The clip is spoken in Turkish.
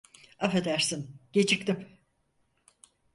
Affedersin, geciktim.